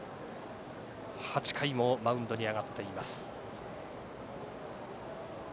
８回もマウンドに上がっています。